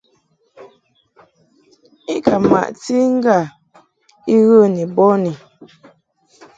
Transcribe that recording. I ka maʼti i ŋgâ I ghə ni bɔni.